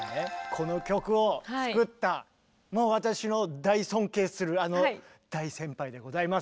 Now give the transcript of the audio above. この曲を作ったもう私の大尊敬するあの大先輩でございます。